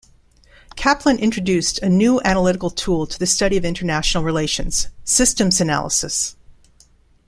Kaplan introduced a new analytical tool to the study of international relations, "systems analysis".